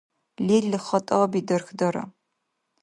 Лерил хатӀаби дархьдара